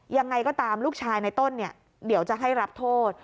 ยังไงก็ตามลูกชายในต้นเนี่ยเดี๋ยวจะให้รับโทษ